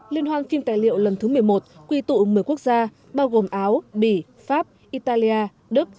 liên hoan phim tài liệu lần thứ một mươi một quy tụ một mươi quốc gia bao gồm áo bỉ pháp italia đức